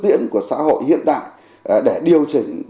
tiễn của xã hội hiện tại để điều chỉnh